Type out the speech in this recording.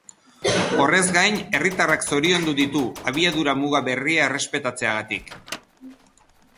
Horrez gain, herritarrak zoriondu ditu, abiadura muga berria errespetatzeagatik.